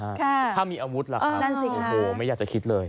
ครับนั่นสิค่ะถ้ามีอาวุธล่ะครับโอ้โหไม่อยากจะคิดเลย